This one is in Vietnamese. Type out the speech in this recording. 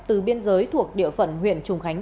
từ biên giới thuộc địa phận huyện trùng khánh